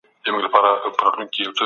د ځان او نورو پېژندل مهم دي.